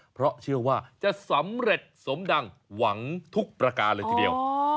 เพราะเชื่อว่าจะสำเร็จสมดังหวังทุกประการเลยทีเดียว